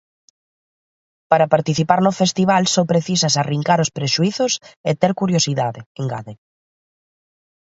Para participar no festival só precisas arrincar os prexuízos e ter curiosidade, engade.